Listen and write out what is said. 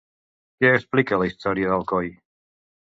Què explica la història d'Alcoi?